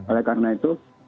oleh karena itu